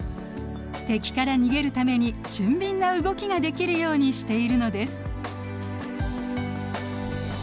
敵から逃げるために俊敏な動きができるようにしているのです。